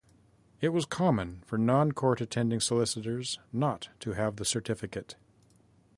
It was common for non court attending solicitors not to have the certificate.